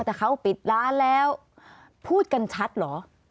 แต่เขาปิดร้านแล้วพูดกันชัดเหรอ